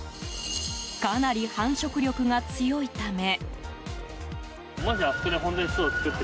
かなり繁殖力が強いため。